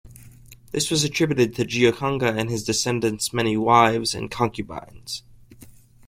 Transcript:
This was attributed to Giocangga's and his descendants' many wives and concubines.